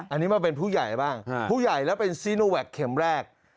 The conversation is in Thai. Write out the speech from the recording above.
อันนี้มาเป็นผู้ใหญ่บ้างผู้ใหญ่แล้วเป็นซีโนแวคเข็มแรก